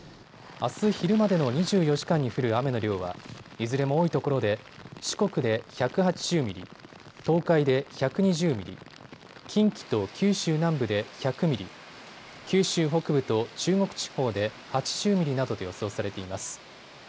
あす昼までの２４時間に降る雨の量はいずれも多いところで四国で１８０ミリ、東海で１２０ミリ、近畿と九州南部で１００ミリ、九州北部と中国地方で８０ミリなどと予想されています。